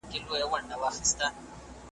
هغه څوک چي کالي مينځي روغ وي.